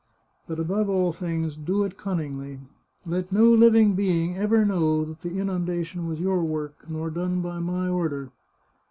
... But above all things, do it cunningly ! Let no living being ever know that the inundation was your work, nor done by my order.